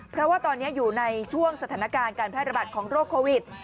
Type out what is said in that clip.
เพราะว่าตอนนี้อยู่ในช่วงสถานการณ์การแพร่ระบาดของโรคโควิด